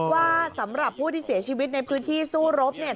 ว่าสำหรับผู้ที่เสียชีวิตในพื้นที่สู้รบเนี่ย